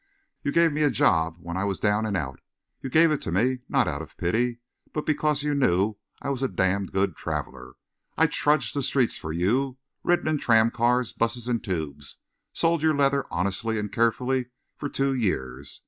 You gave me a job when I was down and out. You gave it to me not out of pity but because you knew I was a damned good traveller. I've trudged the streets for you, ridden in tram cars, 'buses and tubes, sold your leather honestly and carefully for two years.